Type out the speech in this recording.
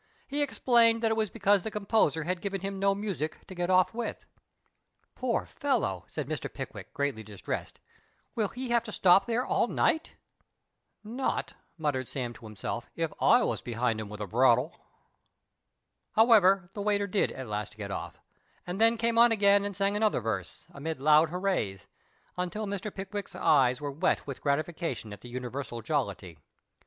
He explained that it was because the composer had given him no music to " get off " with. " Poor fellow," said Mr. Pickwick, greatly dis tressed ;" will he have to stop there all night ?"" Not," muttered Sam to himself, " if I wos behind 'im with a bradawl." However, the waiter did at last get off, and then came on again and sang another verse, amid loud hoorays, until Mr. Pickwick's eyes were wet with gratification at the universal jollity.